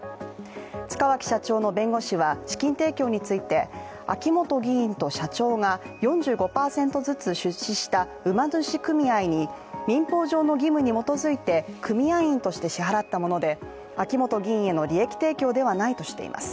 塚脇社長の弁護士は、資金提供について秋本議員と社長が、４５％ずつ出資した馬主組合に民法上の義務に基づいて組合員として支払ったもので秋本議員への利益提供ではないとしています。